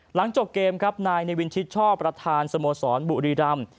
หลังจบเกมครับนายในวินชิดชอบประธานสโมสรบุรีรำ